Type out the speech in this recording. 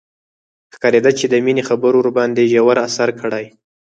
ښکارېده چې د مينې خبرو ورباندې ژور اثر کړی.